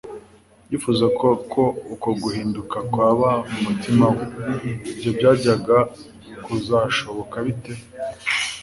yifuzaga ko uko guhinduka kwaba mu mutima we. Ibyo byajyaga kuzashoboka bite?